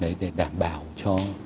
đấy để đảm bảo cho